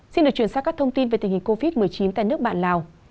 xin được chuyển sang các thông tin về tình hình covid một mươi chín tại nước bạn lào